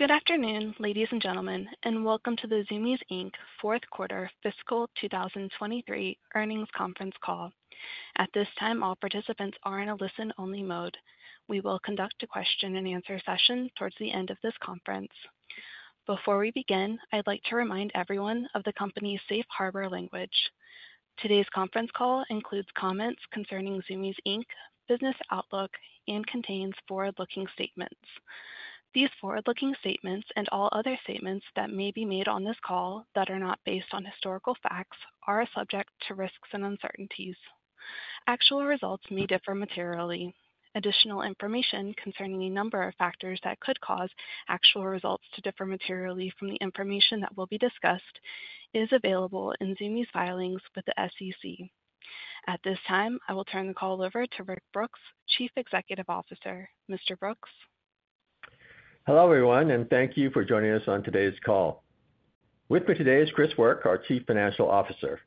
Good afternoon, ladies and gentlemen, and welcome to the Zumiez Inc. fourth quarter fiscal 2023 earnings conference call. At this time, all participants are in a listen-only mode. We will conduct a question-and-answer session toward the end of this conference. Before we begin, I'd like to remind everyone of the company's Safe Harbor language. Today's conference call includes comments concerning Zumiez Inc.'s business outlook and contains forward-looking statements. These forward-looking statements and all other statements that may be made on this call that are not based on historical facts are subject to risks and uncertainties. Actual results may differ materially. Additional information concerning a number of factors that could cause actual results to differ materially from the information that will be discussed is available in Zumiez filings with the SEC. At this time, I will turn the call over to Rick Brooks, Chief Executive Officer. Mr. Brooks? Hello everyone, and thank you for joining us on today's call. With me today is Chris Work, our Chief Financial Officer.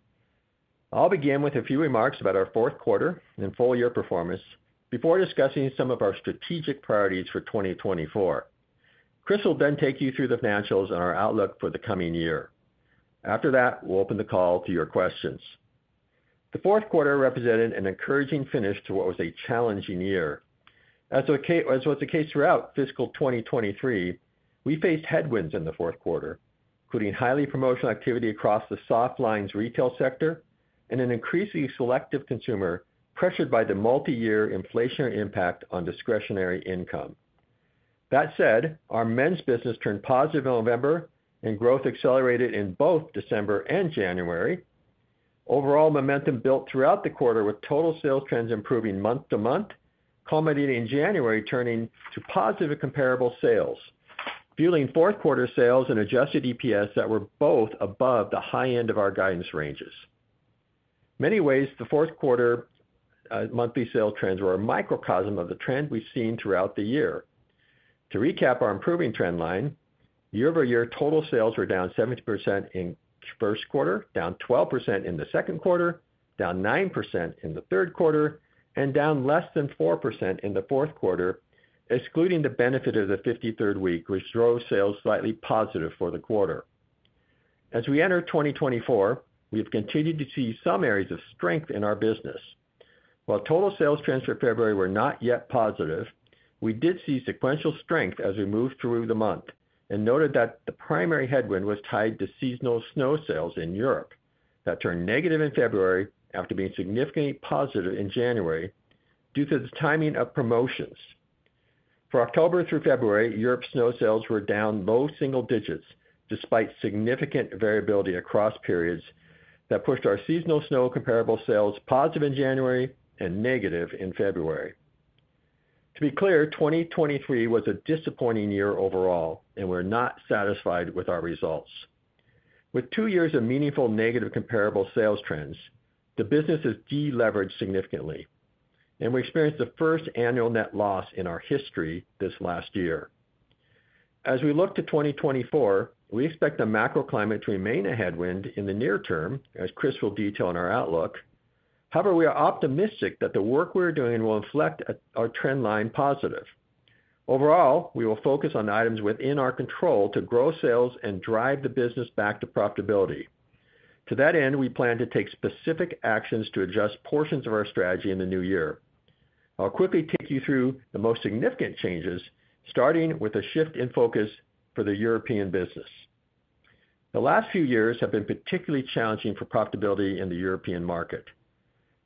I'll begin with a few remarks about our fourth quarter and full-year performance before discussing some of our strategic priorities for 2024. Chris will then take you through the financials and our outlook for the coming year. After that, we'll open the call to your questions. The fourth quarter represented an encouraging finish to what was a challenging year. As was the case throughout fiscal 2023, we faced headwinds in the fourth quarter, including highly promotional activity across the soft lines retail sector and an increasingly selective consumer pressured by the multi-year inflationary impact on discretionary income. That said, our Men's business turned positive in November and growth accelerated in both December and January. Overall momentum built throughout the quarter, with total sales trends improving month-to-month, culminating in January turning to positive and comparable sales, fueling fourth quarter sales and adjusted EPS that were both above the high end of our guidance ranges. In many ways, the fourth quarter monthly sales trends were a microcosm of the trend we've seen throughout the year. To recap our improving trend line, year-over-year, total sales were down 70% in first quarter, down 12% in the second quarter, down 9% in the third quarter, and down less than 4% in the fourth quarter, excluding the benefit of the 53rd week, which drove sales slightly positive for the quarter. As we enter 2024, we have continued to see some areas of strength in our business. While total sales trends for February were not yet positive, we did see sequential strength as we moved through the month and noted that the primary headwind was tied to seasonal snow sales in Europe that turned negative in February after being significantly positive in January due to the timing of promotions. For October through February, Europe snow sales were down low single digits despite significant variability across periods that pushed our seasonal snow comparable sales positive in January and negative in February. To be clear, 2023 was a disappointing year overall, and we're not satisfied with our results. With two years of meaningful negative comparable sales trends, the business has de-leveraged significantly, and we experienced the first annual net loss in our history this last year. As we look to 2024, we expect the macro climate to remain a headwind in the near term, as Chris will detail in our outlook. However, we are optimistic that the work we're doing will inflect our trend line positive. Overall, we will focus on items within our control to grow sales and drive the business back to profitability. To that end, we plan to take specific actions to adjust portions of our strategy in the new year. I'll quickly take you through the most significant changes, starting with a shift in focus for the European business. The last few years have been particularly challenging for profitability in the European market.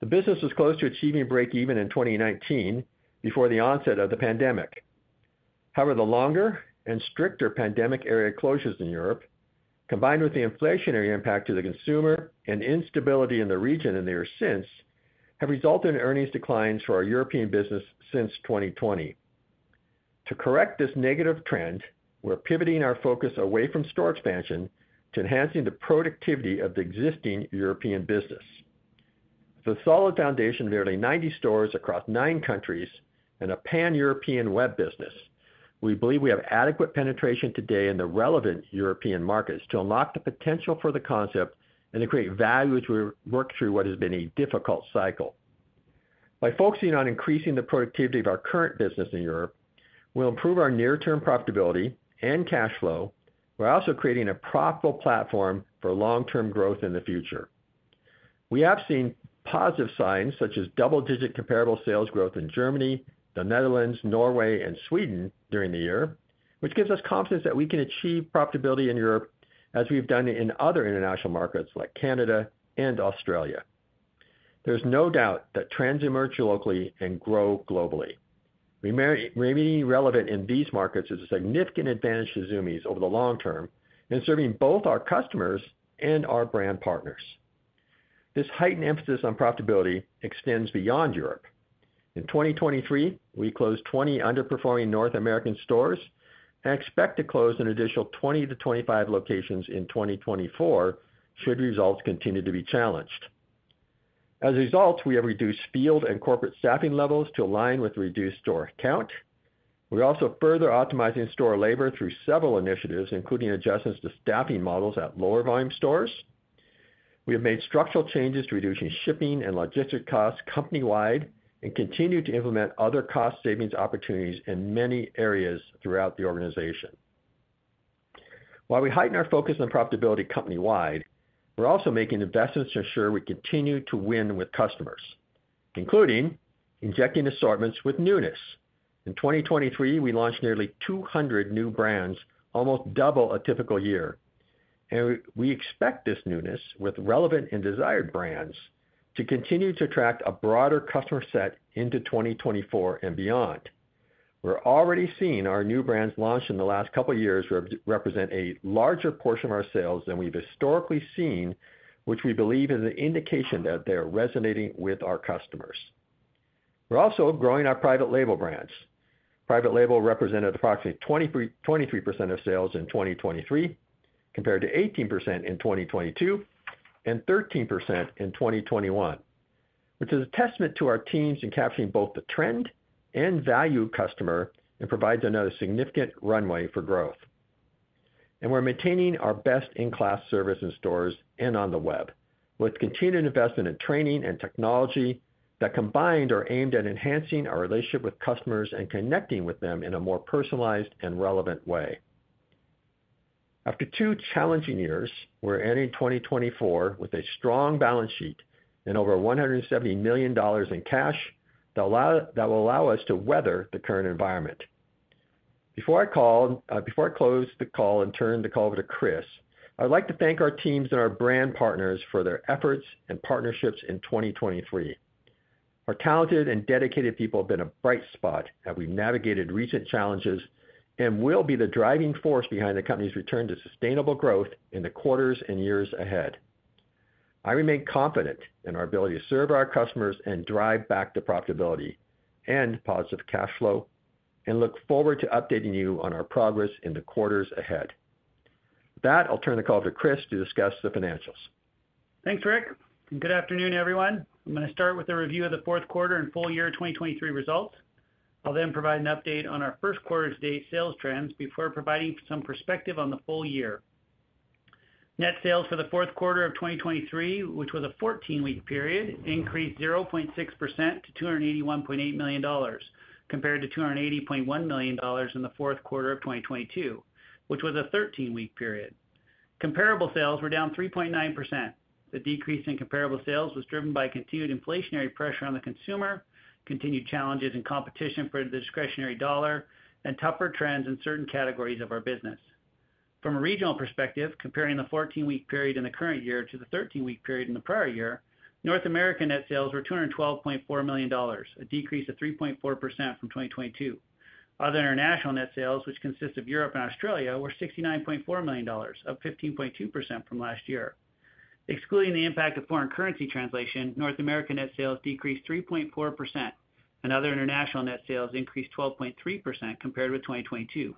The business was close to achieving break-even in 2019 before the onset of the pandemic. However, the longer and stricter pandemic era closures in Europe, combined with the inflationary impact to the consumer and instability in the region in there since, have resulted in earnings declines for our European business since 2020. To correct this negative trend, we're pivoting our focus away from store expansion to enhancing the productivity of the existing European business. With a solid foundation of nearly 90 stores across nine countries and a pan-European web business, we believe we have adequate penetration today in the relevant European markets to unlock the potential for the concept and to create value as we work through what has been a difficult cycle. By focusing on increasing the productivity of our current business in Europe, we'll improve our near-term profitability and cash flow while also creating a profitable platform for long-term growth in the future. We have seen positive signs such as double-digit comparable sales growth in Germany, the Netherlands, Norway, and Sweden during the year, which gives us confidence that we can achieve profitability in Europe as we've done in other international markets like Canada and Australia. There's no doubt that trends emerge locally and grow globally. Remaining relevant in these markets is a significant advantage to Zumiez over the long term in serving both our customers and our brand partners. This heightened emphasis on profitability extends beyond Europe. In 2023, we closed 20 underperforming North American stores and expect to close an additional 20-25 locations in 2024 should results continue to be challenged. As a result, we have reduced field and corporate staffing levels to align with reduced store count. We're also further optimizing store labor through several initiatives, including adjustments to staffing models at lower volume stores. We have made structural changes to reducing shipping and logistics costs company-wide and continue to implement other cost savings opportunities in many areas throughout the organization. While we heighten our focus on profitability company-wide, we're also making investments to ensure we continue to win with customers, including injecting assortments with newness. In 2023, we launched nearly 200 new brands, almost double a typical year. We expect this newness with relevant and desired brands to continue to attract a broader customer set into 2024 and beyond. We're already seeing our new brands launch in the last couple of years represent a larger portion of our sales than we've historically seen, which we believe is an indication that they're resonating with our customers. We're also growing our private label brands. Private label represented approximately 23% of sales in 2023, compared to 18% in 2022 and 13% in 2021, which is a testament to our teams in capturing both the trend and value customer and provides another significant runway for growth. We're maintaining our best-in-class service in stores and on the web with continued investment in training and technology that combined are aimed at enhancing our relationship with customers and connecting with them in a more personalized and relevant way. After two challenging years, we're ending 2024 with a strong balance sheet and over $170 million in cash that will allow us to weather the current environment. Before I close the call and turn the call over to Chris, I'd like to thank our teams and our brand partners for their efforts and partnerships in 2023. Our talented and dedicated people have been a bright spot as we've navigated recent challenges and will be the driving force behind the company's return to sustainable growth in the quarters and years ahead. I remain confident in our ability to serve our customers and drive back to profitability and positive cash flow and look forward to updating you on our progress in the quarters ahead. With that, I'll turn the call over to Chris to discuss the financials. Thanks, Rick, and good afternoon, everyone. I'm going to start with a review of the fourth quarter and full-year 2023 results. I'll then provide an update on our first quarter to date sales trends before providing some perspective on the full-year. Net sales for the fourth quarter of 2023, which was a 14-week period, increased 0.6% to $281.8 million compared to $280.1 million in the fourth quarter of 2022, which was a 13-week period. Comparable sales were down 3.9%. The decrease in comparable sales was driven by continued inflationary pressure on the consumer, continued challenges in competition for the discretionary dollar, and tougher trends in certain categories of our business. From a regional perspective, comparing the 14-week period in the current year to the 13-week period in the prior year, North American net sales were $212.4 million, a decrease of 3.4% from 2022. Other international net sales, which consist of Europe and Australia, were $69.4 million, up 15.2% from last year. Excluding the impact of foreign currency translation, North American net sales decreased 3.4%, and other international net sales increased 12.3% compared with 2022.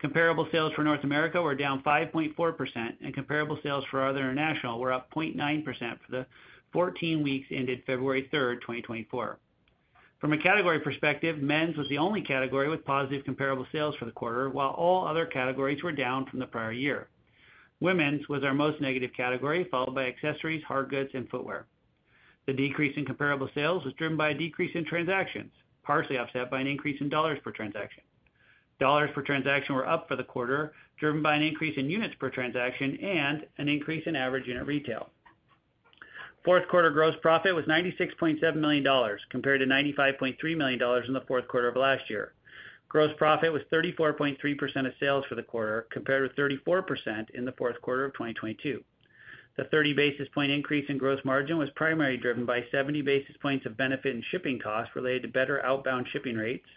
Comparable sales for North America were down 5.4%, and comparable sales for other international were up 0.9% for the 14 weeks ended February 3rd, 2024. From a category perspective, Men's was the only category with positive comparable sales for the quarter, while all other categories were down from the prior year. Women's was our most negative category, followed by Accessories, Hard Goods, and Footwear. The decrease in comparable sales was driven by a decrease in transactions, partially offset by an increase in dollars per transaction. Dollars per transaction were up for the quarter, driven by an increase in units per transaction and an increase in average unit retail. Fourth quarter gross profit was $96.7 million compared to $95.3 million in the fourth quarter of last year. Gross profit was 34.3% of sales for the quarter, compared with 34% in the fourth quarter of 2022. The 30 basis point increase in gross margin was primarily driven by 70 basis points of benefit in shipping costs related to better outbound shipping rates,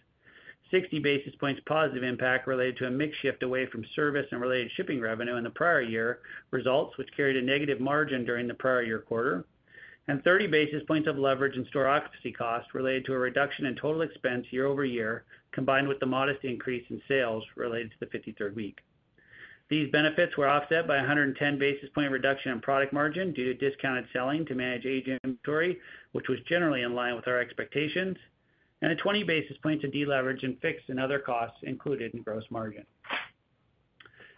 60 basis points positive impact related to a mix shift away from service and related shipping revenue in the prior year results, which carried a negative margin during the prior year quarter, and 30 basis points of leverage in store occupancy costs related to a reduction in total expense year-over-year, combined with the modest increase in sales related to the 53rd week. These benefits were offset by a 110 basis point reduction in product margin due to discounted selling to manage aging inventory, which was generally in line with our expectations, and a 20 basis point to de-leverage and fixed and other costs included in gross margin.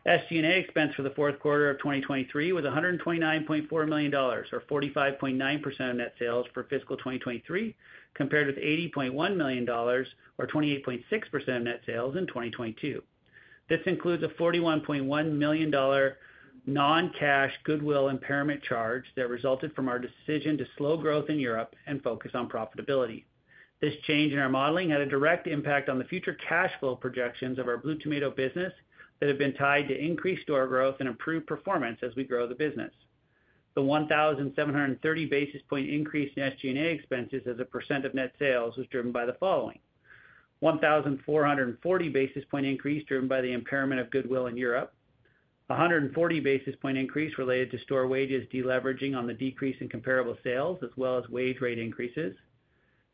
SG&A expense for the fourth quarter of 2023 was $129.4 million or 45.9% of net sales for fiscal 2023, compared with $80.1 million or 28.6% of net sales in 2022. This includes a $41.1 million non-cash goodwill impairment charge that resulted from our decision to slow growth in Europe and focus on profitability. This change in our modeling had a direct impact on the future cash flow projections of our Blue Tomato business that have been tied to increased store growth and improved performance as we grow the business. The 1,730 basis point increase in SG&A expenses as a percent of net sales was driven by the following: 1,440 basis point increase driven by the impairment of goodwill in Europe, 140 basis point increase related to store wages de-leveraging on the decrease in comparable sales as well as wage rate increases,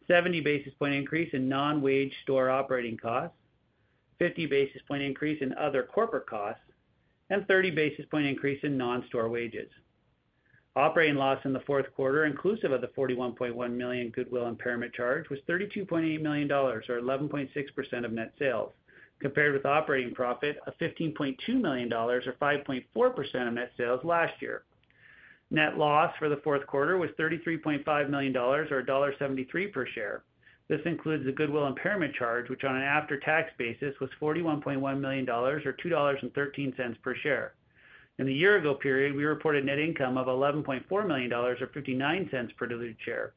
70 basis point increase in non-wage store operating costs, 50 basis point increase in other corporate costs, and 30 basis point increase in non-store wages. Operating loss in the fourth quarter, inclusive of the $41.1 million goodwill impairment charge, was $32.8 million or 11.6% of net sales, compared with operating profit of $15.2 million or 5.4% of net sales last year. Net loss for the fourth quarter was $33.5 million or $1.73 per share. This includes the goodwill impairment charge, which on an after-tax basis was $41.1 million or $2.13 per share. In the year-ago period, we reported net income of $11.4 million or $0.59 per diluted share.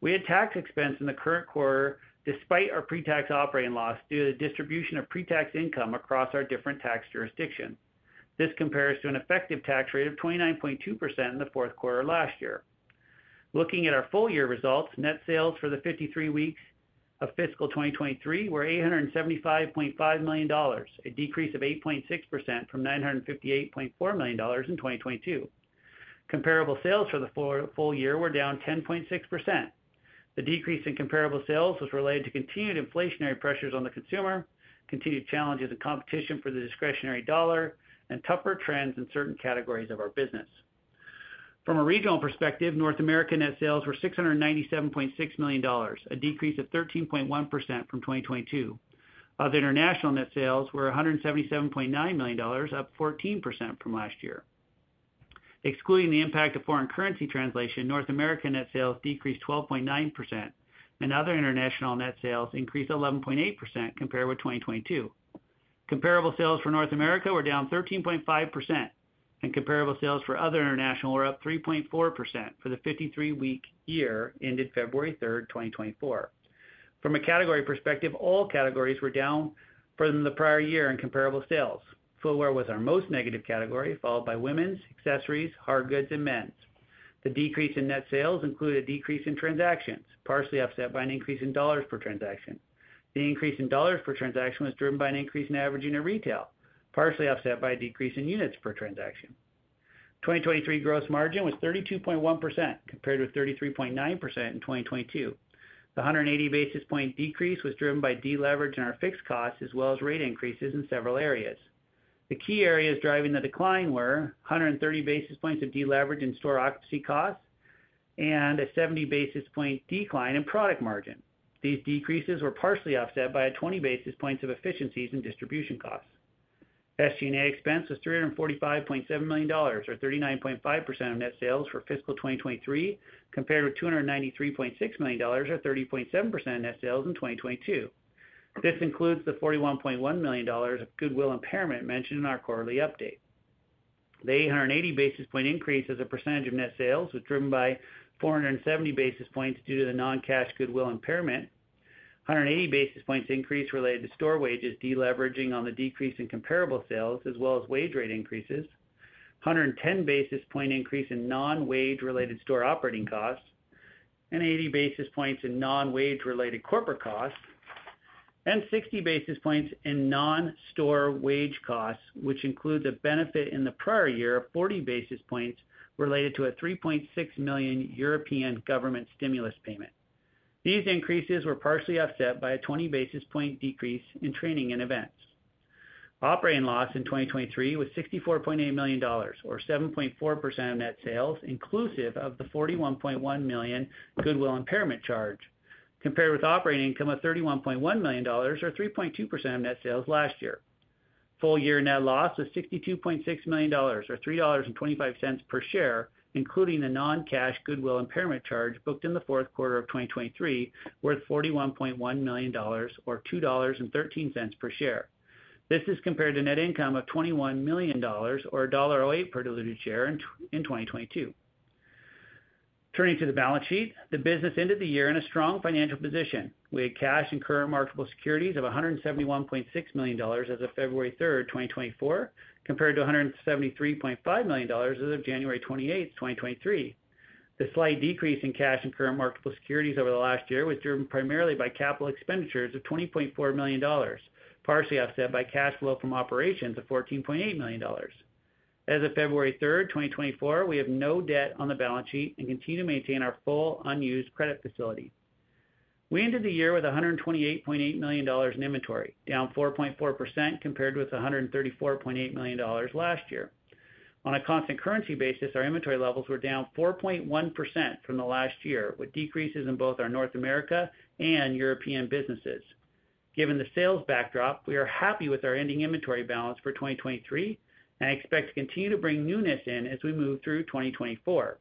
We had tax expense in the current quarter despite our pre-tax operating loss due to the distribution of pre-tax income across our different tax jurisdictions. This compares to an effective tax rate of 29.2% in the fourth quarter last year. Looking at our full-year results, net sales for the 53 weeks of fiscal 2023 were $875.5 million, a decrease of 8.6% from $958.4 million in 2022. Comparable sales for the full-year were down 10.6%. The decrease in comparable sales was related to continued inflationary pressures on the consumer, continued challenges in competition for the discretionary dollar, and tougher trends in certain categories of our business. From a regional perspective, North American net sales were $697.6 million, a decrease of 13.1% from 2022. Other international net sales were $177.9 million, up 14% from last year. Excluding the impact of foreign currency translation, North American net sales decreased 12.9%, and other international net sales increased 11.8% compared with 2022. Comparable sales for North America were down 13.5%, and comparable sales for other international were up 3.4% for the 53-week year ended February 3rd, 2024. From a category perspective, all categories were down from the prior year in comparable sales. Footwear was our most negative category, followed by Women's, Accessories, Hard Goods, and Men's. The decrease in net sales included a decrease in transactions, partially offset by an increase in dollars per transaction. The increase in dollars per transaction was driven by an increase in average unit retail, partially offset by a decrease in units per transaction. 2023 gross margin was 32.1% compared with 33.9% in 2022. The 180 basis point decrease was driven by de-leverage in our fixed costs as well as rate increases in several areas. The key areas driving the decline were 130 basis points of de-leverage in store occupancy costs and a 70 basis point decline in product margin. These decreases were partially offset by 20 basis points of efficiencies in distribution costs. SG&A expense was $345.7 million or 39.5% of net sales for fiscal 2023 compared with $293.6 million or 30.7% of net sales in 2022. This includes the $41.1 million of goodwill impairment mentioned in our quarterly update. The 880 basis point increase as a percentage of net sales was driven by 470 basis points due to the non-cash goodwill impairment, 180 basis points increase related to store wages de-leveraging on the decrease in comparable sales as well as wage rate increases, 110 basis point increase in non-wage related store operating costs, and 80 basis points in non-wage related corporate costs, and 60 basis points in non-store wage costs, which includes a benefit in the prior year of 40 basis points related to a $3.6 million European government stimulus payment. These increases were partially offset by a 20 basis point decrease in training and events. Operating loss in 2023 was $64.8 million or 7.4% of net sales, inclusive of the $41.1 million goodwill impairment charge, compared with operating income of $31.1 million or 3.2% of net sales last year. Full-year net loss was $62.6 million or $3.25 per share, including the non-cash goodwill impairment charge booked in the fourth quarter of 2023, worth $41.1 million or $2.13 per share. This is compared to net income of $21 million or $1.08 per diluted share in 2022. Turning to the balance sheet, the business ended the year in a strong financial position. We had cash and current marketable securities of $171.6 million as of February 3rd, 2024, compared to $173.5 million as of January 28th, 2023. The slight decrease in cash and current marketable securities over the last year was driven primarily by capital expenditures of $20.4 million, partially offset by cash flow from operations of $14.8 million. As of February 3rd, 2024, we have no debt on the balance sheet and continue to maintain our full unused credit facility. We ended the year with $128.8 million in inventory, down 4.4% compared with $134.8 million last year. On a constant currency basis, our inventory levels were down 4.1% from the last year, with decreases in both our North America and European businesses. Given the sales backdrop, we are happy with our ending inventory balance for 2023 and expect to continue to bring newness in as we move through 2024.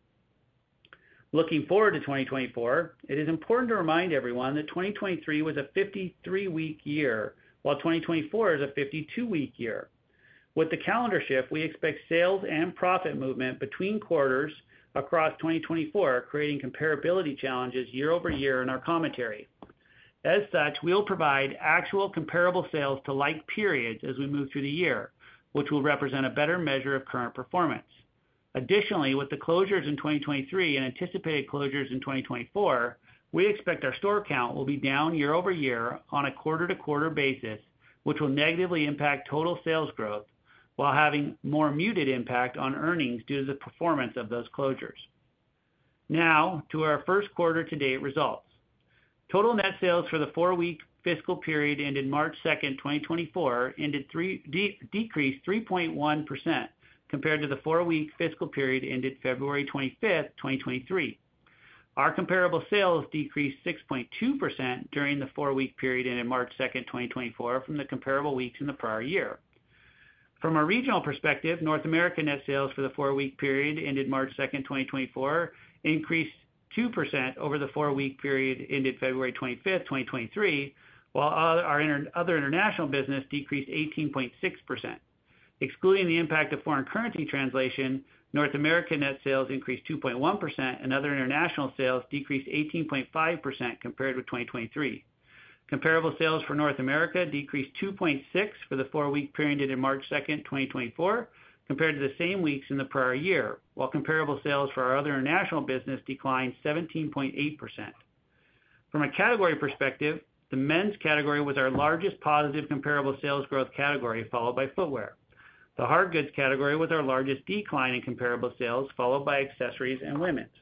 Looking forward to 2024, it is important to remind everyone that 2023 was a 53-week year, while 2024 is a 52-week year. With the calendar shift, we expect sales and profit movement between quarters across 2024, creating comparability challenges year-over-year in our commentary. As such, we'll provide actual comparable sales to like periods as we move through the year, which will represent a better measure of current performance. Additionally, with the closures in 2023 and anticipated closures in 2024, we expect our store count will be down year-over-year on a quarter-to-quarter basis, which will negatively impact total sales growth while having more muted impact on earnings due to the performance of those closures. Now, to our first quarter-to-date results. Total net sales for the four-week fiscal period ended March 2nd, 2024, decreased 3.1% compared to the four-week fiscal period ended February 25th, 2023. Our comparable sales decreased 6.2% during the four-week period ended March 2nd, 2024, from the comparable weeks in the prior year. From a regional perspective, North American net sales for the four-week period ended March 2nd, 2024, increased 2% over the four-week period ended February 25th, 2023, while our other international business decreased 18.6%. Excluding the impact of foreign currency translation, North American net sales increased 2.1%, and other international sales decreased 18.5% compared with 2023. Comparable sales for North America decreased 2.6% for the four-week period ended March 2nd, 2024, compared to the same weeks in the prior year, while comparable sales for our other international business declined 17.8%. From a category perspective, the Men's category was our largest positive comparable sales growth category, followed by Footwear. The Hard Goods category was our largest decline in comparable sales, followed by Accessories and Women's.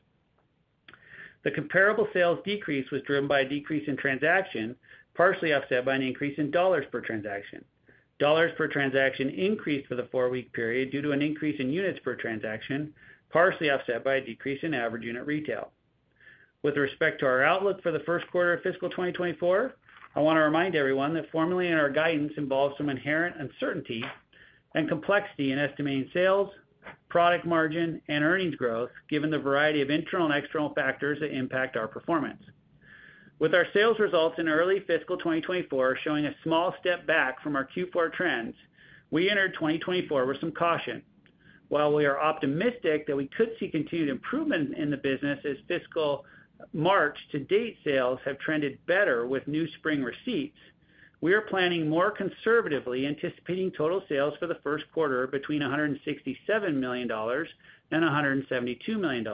The comparable sales decrease was driven by a decrease in transaction, partially offset by an increase in dollars per transaction. Dollars per transaction increased for the four-week period due to an increase in units per transaction, partially offset by a decrease in average unit retail. With respect to our outlook for the first quarter of fiscal 2024, I want to remind everyone that formulating our guidance involves some inherent uncertainty and complexity in estimating sales, product margin, and earnings growth, given the variety of internal and external factors that impact our performance. With our sales results in early fiscal 2024 showing a small step back from our Q4 trends, we entered 2024 with some caution. While we are optimistic that we could see continued improvement in the business as fiscal March-to-date sales have trended better with new spring receipts, we are planning more conservatively, anticipating total sales for the first quarter between $167 million-$172 million.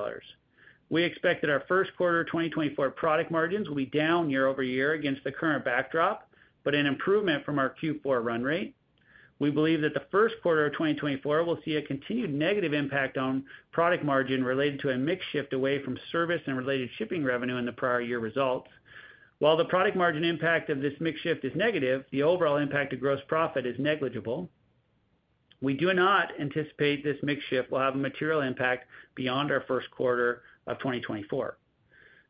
We expect that our first quarter of 2024 product margins will be down year-over-year against the current backdrop, but in improvement from our Q4 run rate. We believe that the first quarter of 2024 will see a continued negative impact on product margin related to a mixed shift away from service and related shipping revenue in the prior year results. While the product margin impact of this mixed shift is negative, the overall impact of gross profit is negligible. We do not anticipate this mixed shift will have a material impact beyond our first quarter of 2024.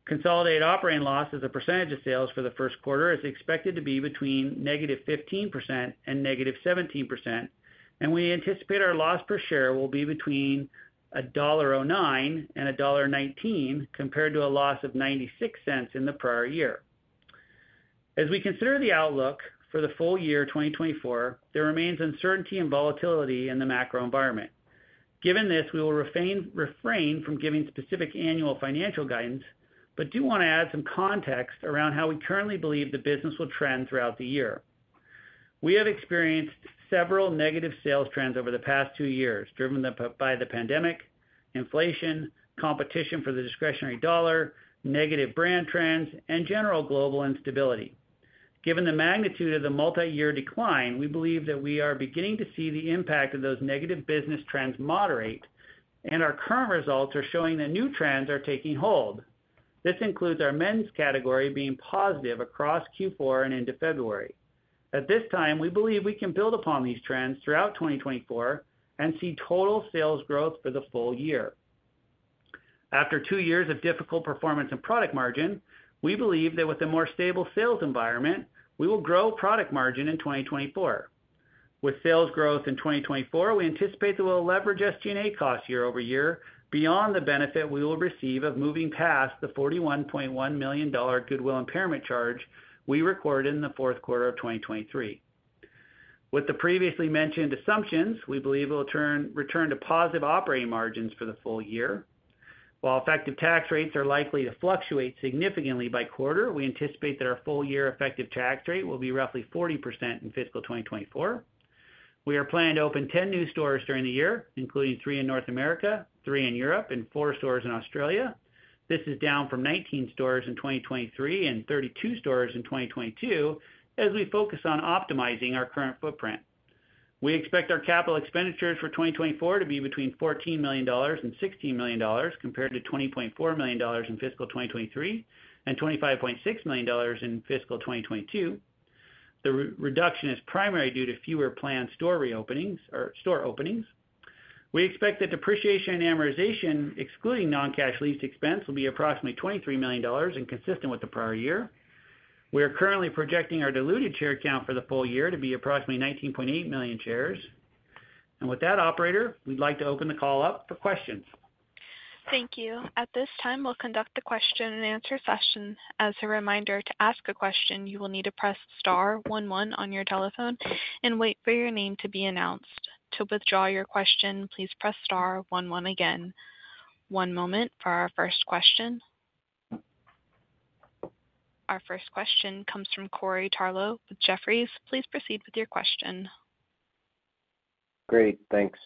Consolidated operating loss as a percentage of sales for the first quarter is expected to be between -15% and -17%, and we anticipate our loss per share will be between $1.09 and $1.19 compared to a loss of $0.96 in the prior year. As we consider the outlook for the full-year 2024, there remains uncertainty and volatility in the macro environment. Given this, we will refrain from giving specific annual financial guidance, but do want to add some context around how we currently believe the business will trend throughout the year. We have experienced several negative sales trends over the past two years, driven by the pandemic, inflation, competition for the discretionary dollar, negative brand trends, and general global instability. Given the magnitude of the multi-year decline, we believe that we are beginning to see the impact of those negative business trends moderate, and our current results are showing that new trends are taking hold. This includes our Men's category being positive across Q4 and into February. At this time, we believe we can build upon these trends throughout 2024 and see total sales growth for the full-year. After two years of difficult performance in product margin, we believe that with a more stable sales environment, we will grow product margin in 2024. With sales growth in 2024, we anticipate that we'll leverage SG&A costs year-over-year beyond the benefit we will receive of moving past the $41.1 million goodwill impairment charge we recorded in the fourth quarter of 2023. With the previously mentioned assumptions, we believe we'll return to positive operating margins for the full-year. While effective tax rates are likely to fluctuate significantly by quarter, we anticipate that our full-year effective tax rate will be roughly 40% in fiscal 2024. We are planning to open 10 new stores during the year, including three in North America, three in Europe, and four stores in Australia. This is down from 19 stores in 2023 and 32 stores in 2022 as we focus on optimizing our current footprint. We expect our capital expenditures for 2024 to be between $14 million and $16 million compared to $20.4 million in fiscal 2023 and $25.6 million in fiscal 2022. The reduction is primarily due to fewer planned store openings. We expect that depreciation and amortization, excluding non-cash lease expense, will be approximately $23 million and consistent with the prior year. We are currently projecting our diluted share count for the full-year to be approximately 19.8 million shares. With that, operator, we'd like to open the call up for questions. Thank you. At this time, we'll conduct the question-and-answer session. As a reminder, to ask a question, you will need to press star one one on your telephone and wait for your name to be announced. To withdraw your question, please press star one one again. One moment for our first question. Our first question comes from Corey Tarlowe with Jefferies. Please proceed with your question. Great. Thanks.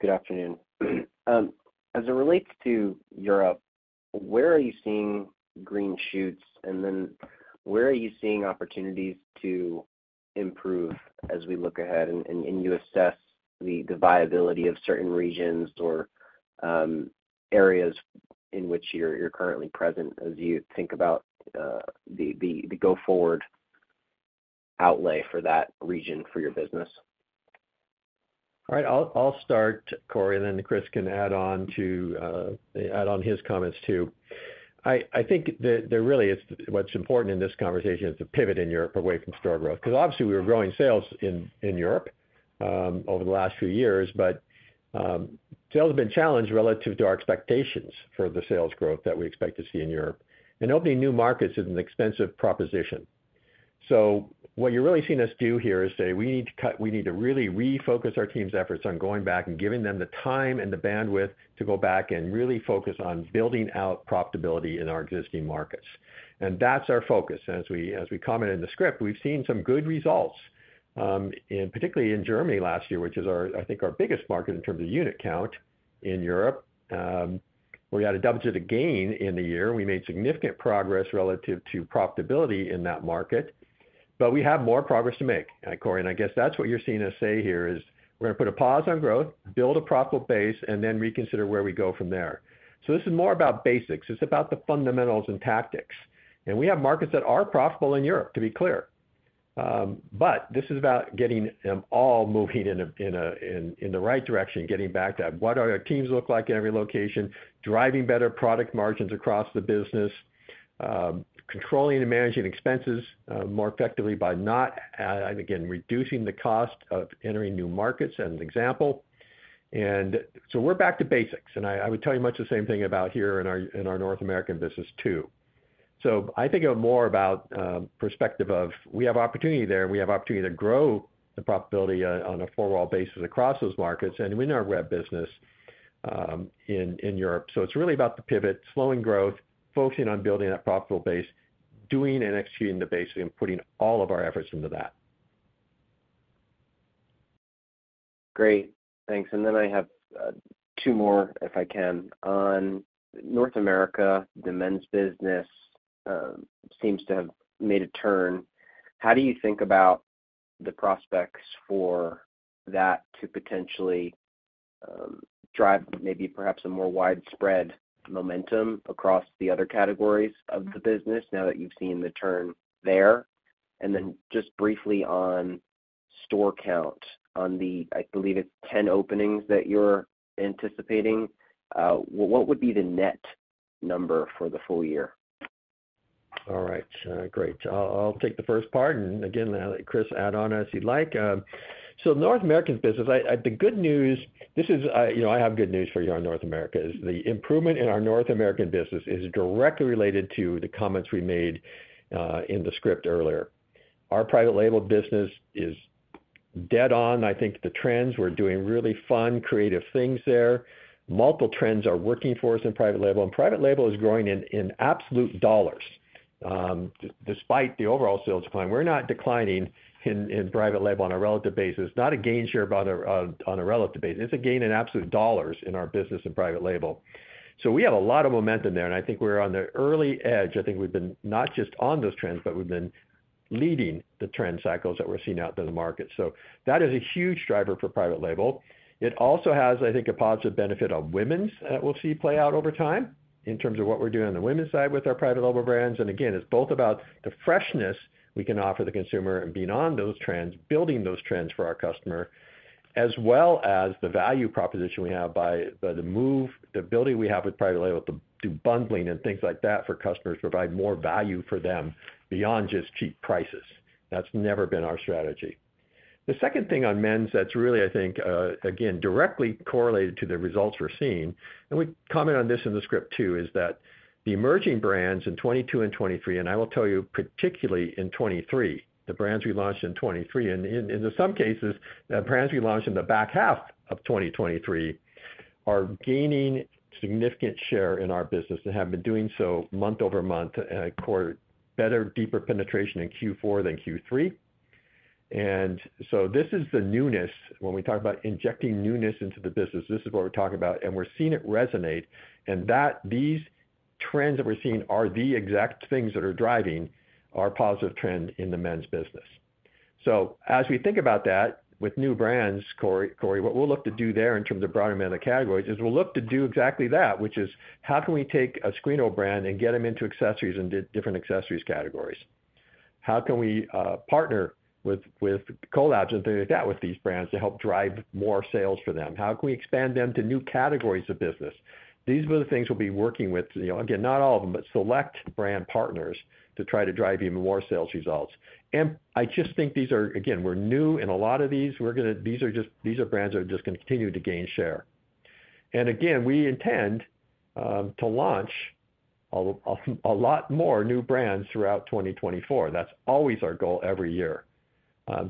Good afternoon. As it relates to Europe, where are you seeing green shoots, and then where are you seeing opportunities to improve as we look ahead and you assess the viability of certain regions or areas in which you're currently present as we think about the go-forward outlay for that region for your business? All right. I'll start, Corey, and then Chris can add on his comments too. I think that really what's important in this conversation is to pivot in Europe away from store growth. Because obviously, we were growing sales in Europe over the last few years, but sales have been challenged relative to our expectations for the sales growth that we expect to see in Europe. And opening new markets is an expensive proposition. So what you're really seeing us do here is say, "We need to cut we need to really refocus our team's efforts on going back and giving them the time and the bandwidth to go back and really focus on building out profitability in our existing markets." And that's our focus. As we commented in the script, we've seen some good results, particularly in Germany last year, which is, I think, our biggest market in terms of unit count in Europe. We had a deficit of gain in the year. We made significant progress relative to profitability in that market. But we have more progress to make. Corey, and I guess that's what you're seeing us say here is, "We're going to put a pause on growth, build a profitable base, and then reconsider where we go from there." So this is more about basics. It's about the fundamentals and tactics. And we have markets that are profitable in Europe, to be clear. But this is about getting them all moving in the right direction, getting back to what our teams look like in every location, driving better product margins across the business, controlling and managing expenses more effectively by not, again, reducing the cost of entering new markets as an example. And so we're back to basics. And I would tell you much the same thing about here in our North American business too. So I think of it more about perspective of, "We have opportunity there, and we have opportunity to grow the profitability on a four-wall basis across those markets and in our web business in Europe." So it's really about the pivot, slowing growth, focusing on building that profitable base, doing and executing the basic, and putting all of our efforts into that. Great. Thanks. And then I have two more, if I can. On North America, the Men's business seems to have made a turn. How do you think about the prospects for that to potentially drive maybe perhaps a more widespread momentum across the other categories of the business now that you've seen the turn there? And then just briefly on store count, on the, I believe it's 10 openings that you're anticipating. What would be the net number for the full-year? All right. Great. I'll take the first part. And again, Chris, add on as you'd like. So the North American business, the good news this is I have good news for you on North America. The improvement in our North American business is directly related to the comments we made in the script earlier. Our private label business is dead on, I think, the trends. We're doing really fun, creative things there. Multiple trends are working for us in private label. And private label is growing in absolute dollars despite the overall sales decline. We're not declining in private label on a relative basis. It's not a gain share on a relative basis. It's a gain in absolute dollars in our business in private label. So we have a lot of momentum there. And I think we're on the early edge. I think we've been not just on those trends, but we've been leading the trend cycles that we're seeing out in the market. So that is a huge driver for private label. It also has, I think, a positive benefit of Women's that we'll see play out over time in terms of what we're doing on the Women's side with our private label brands. And again, it's both about the freshness we can offer the consumer and beyond those trends, building those trends for our customer, as well as the value proposition we have by the move, the ability we have with private label to do bundling and things like that for customers, provide more value for them beyond just cheap prices. That's never been our strategy. The second thing on Men's that's really, I think, again, directly correlated to the results we're seeing, and we comment on this in the script too, is that the emerging brands in 2022 and 2023, and I will tell you particularly in 2023, the brands we launched in 2023, and in some cases, the brands we launched in the back half of 2023 are gaining significant share in our business and have been doing so month-over-month, better, deeper penetration in Q4 than Q3. And so this is the newness. When we talk about injecting newness into the business, this is what we're talking about. And we're seeing it resonate. And these trends that we're seeing are the exact things that are driving our positive trend in the Men's business. So as we think about that with new brands, Corey, what we'll look to do there in terms of broader Men's categories is we'll look to do exactly that, which is, how can we take a streetwear brand and get them into Accessories and different Accessories categories? How can we partner with collabs and things like that with these brands to help drive more sales for them? How can we expand them to new categories of business? These are the things we'll be working with, again, not all of them, but select brand partners to try to drive even more sales results. And I just think these are again, we're new in a lot of these. These are brands that are just going to continue to gain share. And again, we intend to launch a lot more new brands throughout 2024. That's always our goal every year.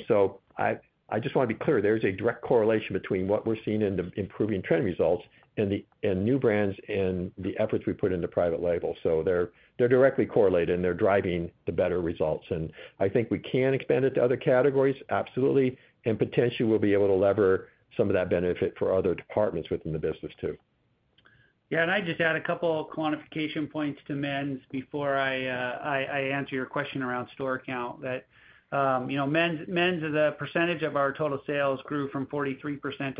So I just want to be clear. There's a direct correlation between what we're seeing in the improving trend results and new brands and the efforts we put into private label. So they're directly correlated, and they're driving the better results. And I think we can expand it to other categories, absolutely. And potentially, we'll be able to lever some of that benefit for other departments within the business too. Yeah. And I'd just add a couple of quantification points to Men's before I answer your question around store count that Men's the percentage of our total sales grew from 43%-47%,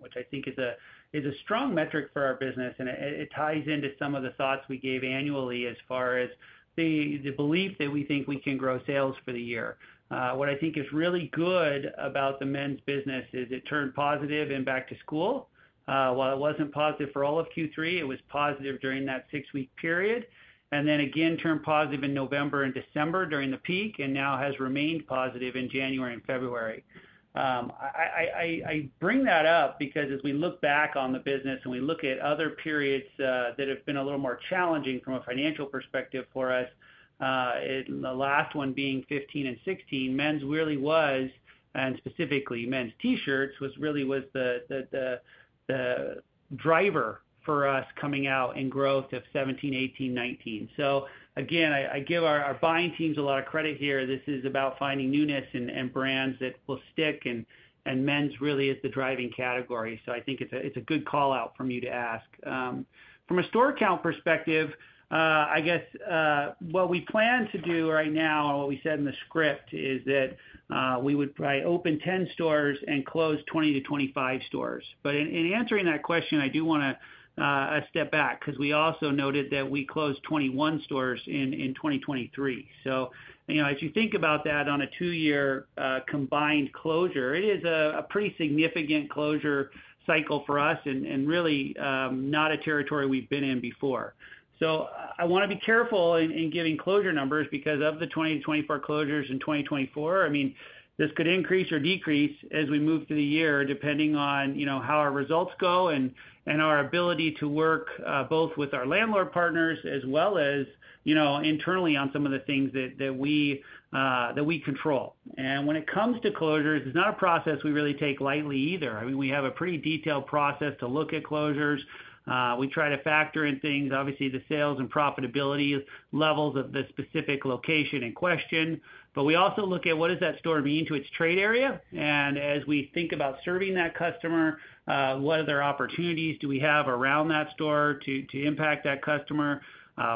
which I think is a strong metric for our business. And it ties into some of the thoughts we gave annually as far as the belief that we think we can grow sales for the year. What I think is really good about the Men's business is it turned positive and back to school. While it wasn't positive for all of Q3, it was positive during that six-week period. And then again, turned positive in November and December during the peak and now has remained positive in January and February. I bring that up because as we look back on the business and we look at other periods that have been a little more challenging from a financial perspective for us, the last one being 2015 and 2016, Men's apparel was, and specifically Men's T-shirts, was really the driver for us coming out in growth of 2017, 2018, 2019. So again, I give our buying teams a lot of credit here. This is about finding newness and brands that will stick. And Men's really is the driving category. So I think it's a good callout from you to ask. From a store count perspective, I guess what we plan to do right now, what we said in the script, is that we would probably open 10 stores and close 20-25 stores. But in answering that question, I do want to step back because we also noted that we closed 21 stores in 2023. So as you think about that on a two-year combined closure, it is a pretty significant closure cycle for us and really not a territory we've been in before. So I want to be careful in giving closure numbers because of the 2024 closures in 2024, I mean, this could increase or decrease as we move through the year depending on how our results go and our ability to work both with our landlord partners as well as internally on some of the things that we control. And when it comes to closures, it's not a process we really take lightly either. I mean, we have a pretty detailed process to look at closures. We try to factor in things, obviously, the sales and profitability levels of the specific location in question. But we also look at what does that store mean to its trade area? And as we think about serving that customer, what other opportunities do we have around that store to impact that customer?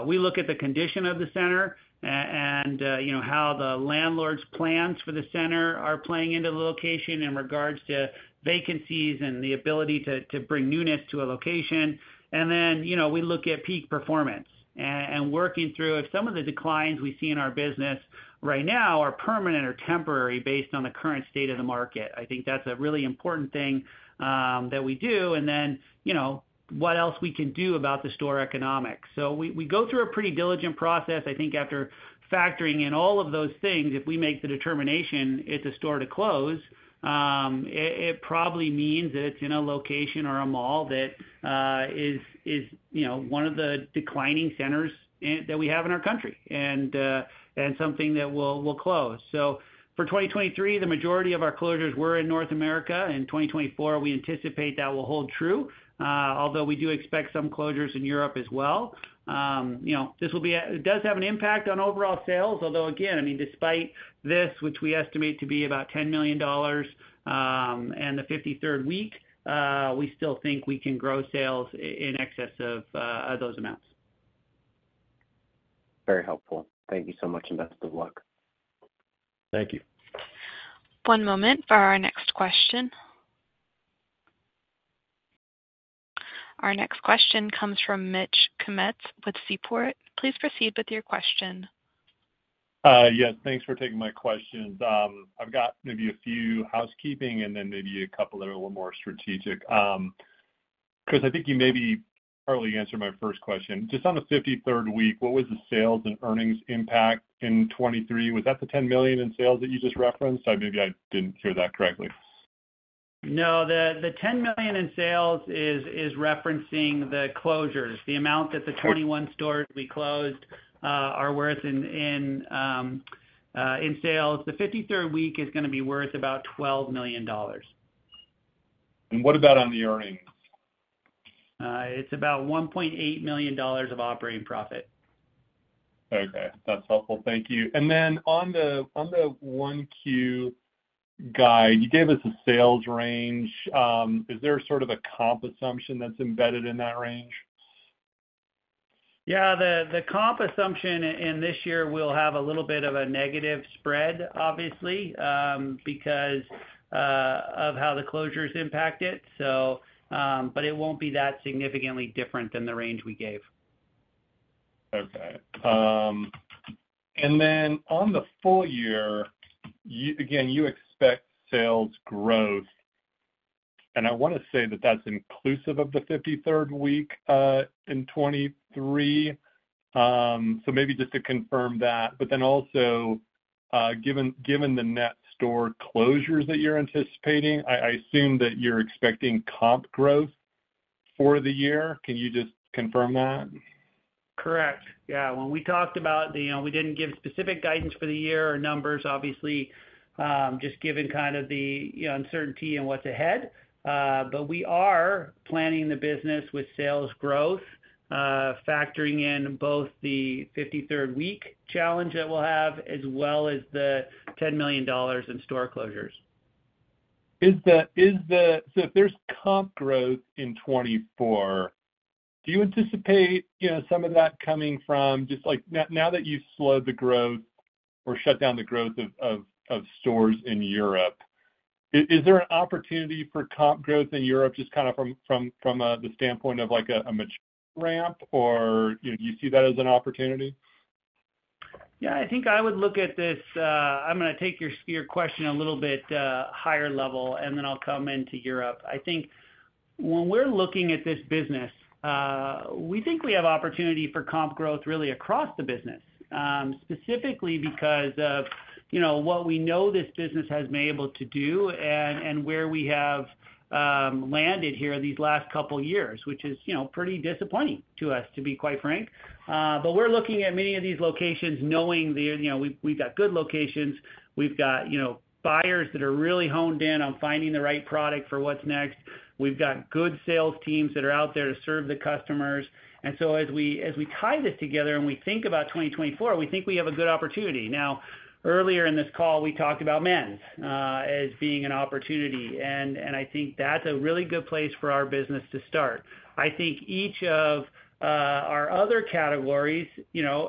We look at the condition of the center and how the landlord's plans for the center are playing into the location in regards to vacancies and the ability to bring newness to a location. And then we look at peak performance and working through if some of the declines we see in our business right now are permanent or temporary based on the current state of the market. I think that's a really important thing that we do. And then what else we can do about the store economics. So we go through a pretty diligent process. I think after factoring in all of those things, if we make the determination it's a store to close, it probably means that it's in a location or a mall that is one of the declining centers that we have in our country and something that will close. So for 2023, the majority of our closures were in North America. In 2024, we anticipate that will hold true, although we do expect some closures in Europe as well. This will be it does have an impact on overall sales, although again, I mean, despite this, which we estimate to be about $10 million and the 53rd week, we still think we can grow sales in excess of those amounts. Very helpful. Thank you so much, and best of luck. Thank you. One moment for our next question. Our next question comes from Mitch Kummetz with Seaport. Please proceed with your question. Yes. Thanks for taking my questions. I've got maybe a few housekeeping and then maybe a couple that are a little more strategic. Chris, I think you maybe partly answered my first question. Just on the 53rd week, what was the sales and earnings impact in 2023? Was that the $10 million in sales that you just referenced? Maybe I didn't hear that correctly. No. The $10 million in sales is referencing the closures, the amount that the 21 stores we closed are worth in sales. The 53rd week is going to be worth about $12 million. What about on the earnings? It's about $1.8 million of operating profit. Okay. That's helpful. Thank you. And then on the 1Q guide, you gave us a sales range. Is there sort of a comp assumption that's embedded in that range? Yeah. The comp assumption in this year, we'll have a little bit of a negative spread, obviously, because of how the closures impact it, but it won't be that significantly different than the range we gave. Okay. And then on the full-year, again, you expect sales growth. And I want to say that that's inclusive of the 53rd week in 2023. So maybe just to confirm that. But then also, given the net store closures that you're anticipating, I assume that you're expecting comp growth for the year. Can you just confirm that? Correct. Yeah. When we talked about, we didn't give specific guidance for the year or numbers, obviously, just given kind of the uncertainty and what's ahead. But we are planning the business with sales growth, factoring in both the 53rd week challenge that we'll have as well as the $10 million in store closures. So if there's comp growth in 2024, do you anticipate some of that coming from just now that you've slowed the growth or shut down the growth of stores in Europe, is there an opportunity for comp growth in Europe just kind of from the standpoint of a maturity ramp, or do you see that as an opportunity? Yeah. I think I would look at this. I'm going to take your question a little bit higher level, and then I'll come into Europe. I think when we're looking at this business, we think we have opportunity for comp growth really across the business, specifically because of what we know this business has been able to do and where we have landed here these last couple of years, which is pretty disappointing to us, to be quite frank. But we're looking at many of these locations knowing we've got good locations. We've got buyers that are really honed in on finding the right product for what's next. We've got good sales teams that are out there to serve the customers. And so as we tie this together and we think about 2024, we think we have a good opportunity. Now, earlier in this call, we talked about Men's as being an opportunity. And I think that's a really good place for our business to start. I think each of our other categories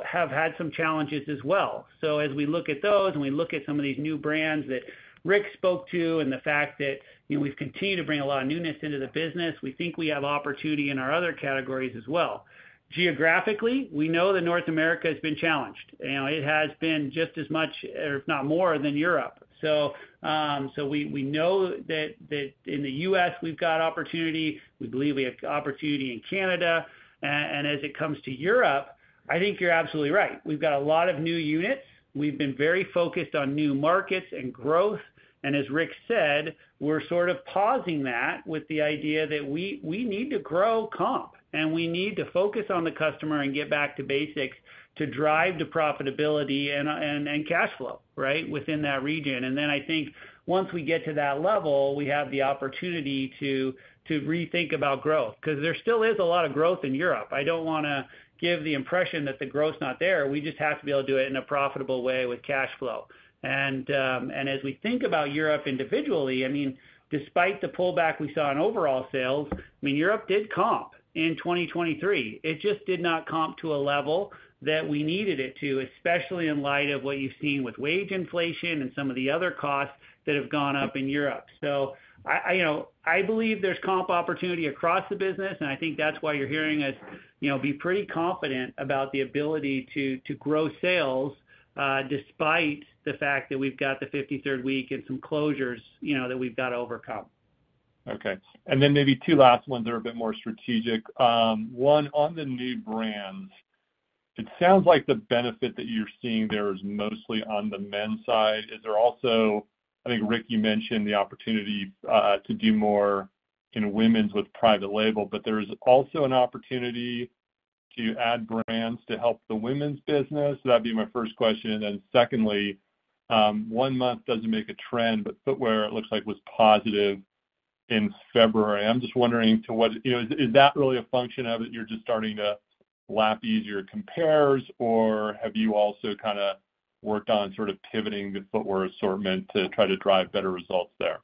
have had some challenges as well. So as we look at those and we look at some of these new brands that Rick spoke to and the fact that we've continued to bring a lot of newness into the business, we think we have opportunity in our other categories as well. Geographically, we know that North America has been challenged. It has been just as much, if not more, than Europe. So we know that in the U.S., we've got opportunity. We believe we have opportunity in Canada. And as it comes to Europe, I think you're absolutely right. We've got a lot of new units. We've been very focused on new markets and growth. As Rick said, we're sort of pausing that with the idea that we need to grow comp, and we need to focus on the customer and get back to basics to drive the profitability and cash flow, right, within that region. Then I think once we get to that level, we have the opportunity to rethink about growth because there still is a lot of growth in Europe. I don't want to give the impression that the growth's not there. We just have to be able to do it in a profitable way with cash flow. As we think about Europe individually, I mean, Europe did comp in 2023. It just did not comp to a level that we needed it to, especially in light of what you've seen with wage inflation and some of the other costs that have gone up in Europe. So I believe there's comp opportunity across the business. And I think that's why you're hearing us be pretty confident about the ability to grow sales despite the fact that we've got the 53rd week and some closures that we've got to overcome. Okay. And then maybe two last ones that are a bit more strategic. One, on the new brands, it sounds like the benefit that you're seeing there is mostly on the Men's side. I think Rick, you mentioned the opportunity to do more in Women's with private label, but there's also an opportunity to add brands to help the Women's business. That'd be my first question. And then secondly, one month doesn't make a trend, but footwear, it looks like, was positive in February. I'm just wondering to what is that really a function of it? You're just starting to lap easier compares, or have you also kind of worked on sort of pivoting the footwear assortment to try to drive better results there?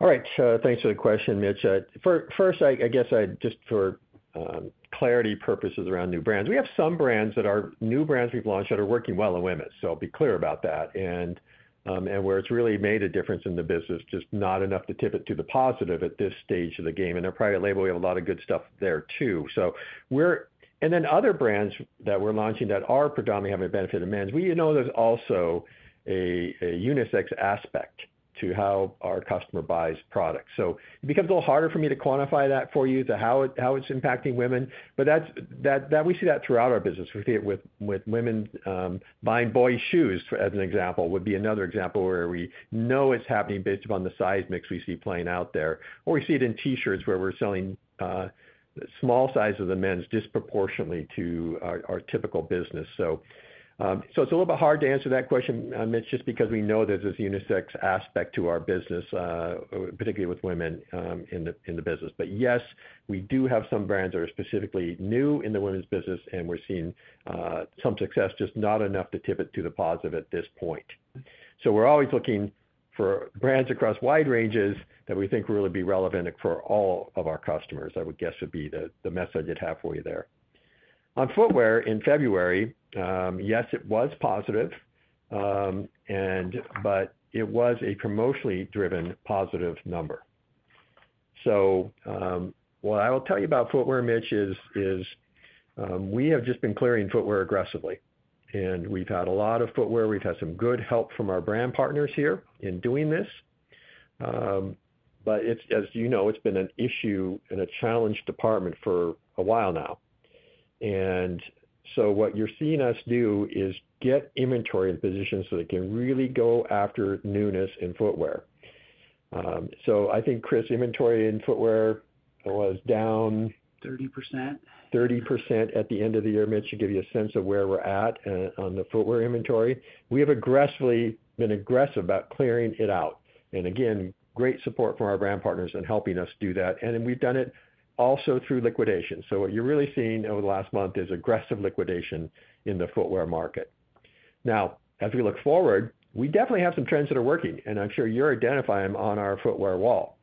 All right. Thanks for the question, Mitch. First, I guess just for clarity purposes around new brands, we have some brands that are new brands we've launched that are working well in women. So I'll be clear about that and where it's really made a difference in the business, just not enough to tip it to the positive at this stage of the game. And in private label, we have a lot of good stuff there too. And then other brands that we're launching that are predominantly having a benefit in Men's, we know there's also a unisex aspect to how our customer buys products. So it becomes a little harder for me to quantify that for you, how it's impacting women. But we see that throughout our business. We see it with women buying boy shoes, as an example. Would be another example where we know it's happening based upon the size mix we see playing out there. Or we see it in T-shirts where we're selling small sizes of the Men's disproportionately to our typical business. So it's a little bit hard to answer that question, Mitch, just because we know there's this unisex aspect to our business, particularly with women in the business. But yes, we do have some brands that are specifically new in the Women's business, and we're seeing some success, just not enough to tip it to the positive at this point. So we're always looking for brands across wide ranges that we think will really be relevant for all of our customers, I would guess would be the message I'd have for you there. On footwear in February, yes, it was positive, but it was a promotionally driven positive number. So what I will tell you about footwear, Mitch, is we have just been clearing footwear aggressively. And we've had a lot of footwear. We've had some good help from our brand partners here in doing this. But as you know, it's been an issue and a challenged department for a while now. And so what you're seeing us do is get inventory in positions so they can really go after newness in footwear. So I think, Chris, inventory in footwear was down. 30%. 30% at the end of the year, Mitch, to give you a sense of where we're at on the footwear inventory. We have been aggressive about clearing it out. And again, great support from our brand partners in helping us do that. And we've done it also through liquidation. So what you're really seeing over the last month is aggressive liquidation in the footwear market. Now, as we look forward, we definitely have some trends that are working. And I'm sure you're identifying them on our footwear wall.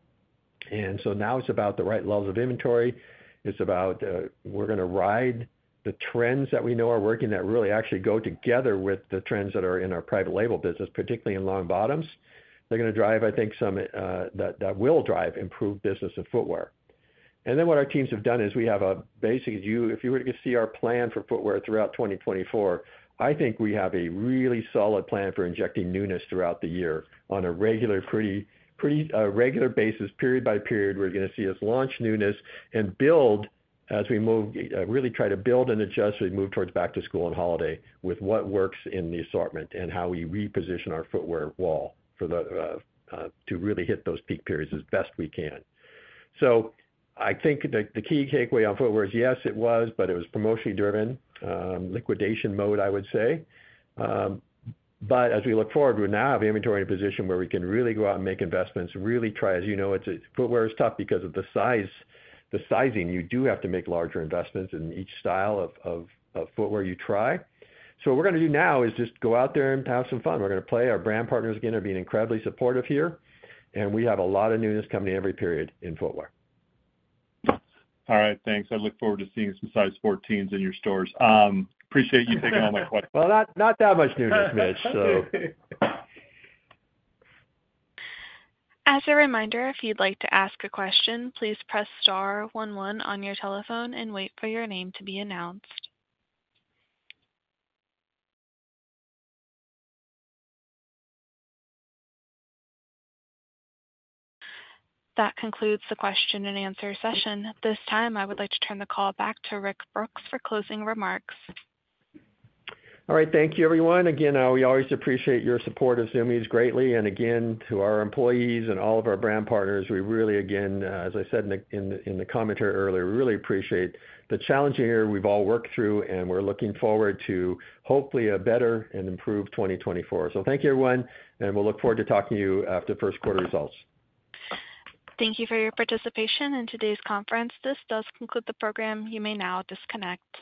And so now it's about the right levels of inventory. We're going to ride the trends that we know are working that really actually go together with the trends that are in our private label business, particularly in long bottoms. They're going to drive, I think, some that will drive improved business in footwear. And then what our teams have done is we have a basic if you were to see our plan for footwear throughout 2024, I think we have a really solid plan for injecting newness throughout the year on a regular basis, period-by-period. We're going to see us launch newness and build as we move really try to build and adjust as we move towards back to school and holiday with what works in the assortment and how we reposition our footwear wall to really hit those peak periods as best we can. So I think the key takeaway on footwear is, yes, it was, but it was promotionally driven, liquidation mode, I would say. But as we look forward, we now have inventory in a position where we can really go out and make investments, really try as you know, footwear is tough because of the sizing. You do have to make larger investments in each style of footwear you try. So what we're going to do now is just go out there and have some fun. We're going to play. Our brand partners again are being incredibly supportive here. And we have a lot of newness coming every period in footwear. All right. Thanks. I look forward to seeing some size 14s in your stores. Appreciate you taking all my questions. Well, not that much newness, Mitch, so. As a reminder, if you'd like to ask a question, please press star 11 on your telephone and wait for your name to be announced. That concludes the question and answer session. This time, I would like to turn the call back to Rick Brooks for closing remarks. All right. Thank you, everyone. Again, we always appreciate your support of Zumiez greatly. And again, to our employees and all of our brand partners, we really, again, as I said in the commentary earlier, we really appreciate the challenging year we've all worked through, and we're looking forward to hopefully a better and improved 2024. So thank you, everyone. And we'll look forward to talking to you after first quarter results. Thank you for your participation in today's conference. This does conclude the program. You may now disconnect.